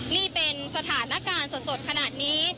นี่เป็นสถานการณ์สดขนาดนี้